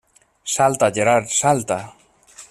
Salta, Gerard, salta!